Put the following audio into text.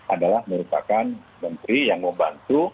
adalah merupakan menteri yang membantu